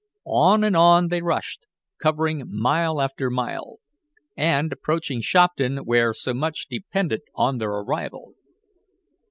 On and on they rushed, covering mile after mile, and approaching Shopton where so much depended on their arrival.